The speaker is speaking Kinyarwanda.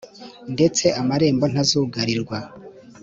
Ndetse amarembo ntazugarirwa